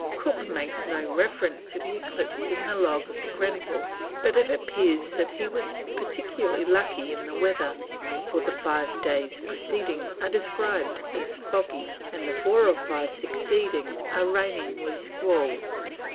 Cook makes no reference to the eclipse in the log of the Grenville, but it appears that he was peculiarly lucky in the weather, for the five days preceding are described as "foggy," and the four or five succeeding are "raining with squalls."